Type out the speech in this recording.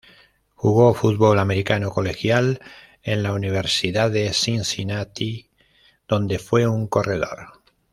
Jugó fútbol americano colegial en la Universidad de Cincinnati, donde fue un corredor.